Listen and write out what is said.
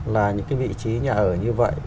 là những cái vị trí nhà ở như vậy